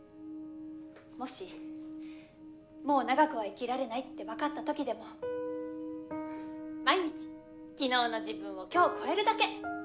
もしもう長くは生きられないって分かった時でも毎日昨日の自分を今日超えるだけ！